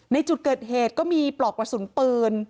ในจุดเกิดเหตุก็มีปลอกกระสุนปืน